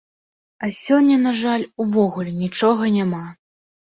А сёння на жаль увогуле нічога няма.